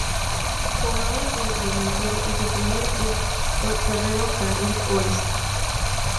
Jugaba de delantero y su primer club fue Ferro Carril Oeste.